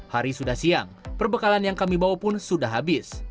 hari sudah siang perbekalan yang kami bawa pun sudah habis